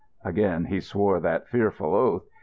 Again he swore that fearful oath.